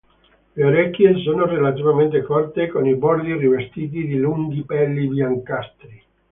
Le orecchie sono relativamente corte, con i bordi rivestiti di lunghi peli biancastri.